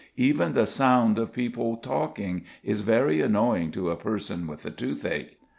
Even the sound of people talking is very annoying to a person with the toothache."